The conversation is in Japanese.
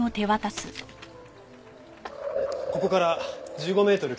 ここから１５メートル